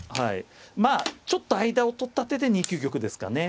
まあちょっと間をとった手で２九玉ですかね。